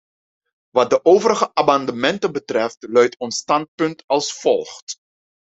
Wat de overige amendementen betreft luidt ons standpunt als volgt.